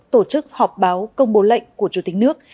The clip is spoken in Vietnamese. tổ chức họp báo công bố lệnh của chủ tịch nước